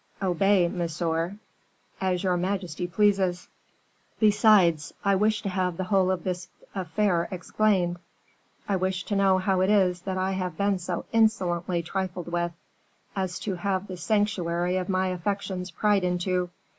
"Obey, monsieur!" "As your majesty pleases." "Besides, I wish to have the whole of this affair explained; I wish to know how it is that I have been so insolently trifled with, as to have the sanctuary of my affections pried into.